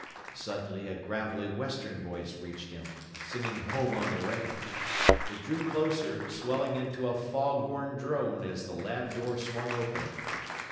Suddenly a gravelly Western voice reached him, singing "Home on the Range." It drew closer, swelling into a foghorn drone as the lab door swung open.